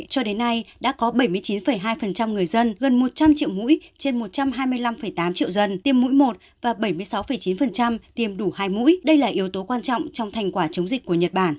cho đến nay đã có bảy mươi chín hai người dân gần một trăm linh triệu mũi trên một trăm hai mươi năm tám triệu dân tiêm mũi một và bảy mươi sáu chín tiêm đủ hai mũi đây là yếu tố quan trọng trong thành quả chống dịch của nhật bản